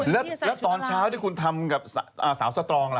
แล้วตอนเช้าที่คุณทำกับสาวสตรองล่ะ